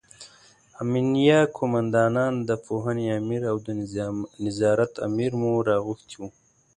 امینه قوماندان، د پوهنې امر او د نظارت امر مو راغوښتي وو.